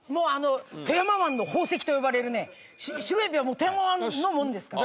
富山湾の宝石と呼ばれるね白えびは富山湾のものですから。